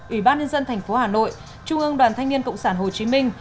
ủy ban nhân dân tp hà nội trung ương đoàn thanh niên cộng sản hồ chí minh